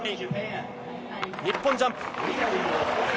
日本ジャンプ。